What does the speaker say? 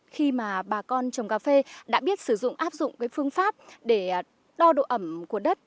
khi mà bà con trồng cà phê đã biết sử dụng áp dụng phương pháp để đo độ ẩm của đất